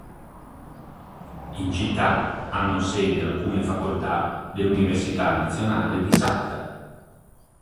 In città hanno sede alcune facoltà dell'Università Nazionale di Salta.